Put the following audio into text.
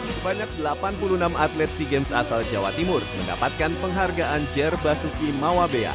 sebanyak delapan puluh enam atlet sea games asal jawa timur mendapatkan penghargaan jer basuki mawabea